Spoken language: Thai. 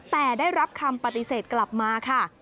แต่ได้รับคำปฏิเสธกลับมาค่ะ